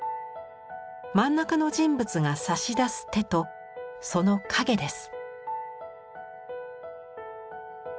真ん中の人物が差し出す手とその影です。